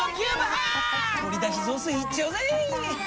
鶏だし雑炊いっちゃうぜ！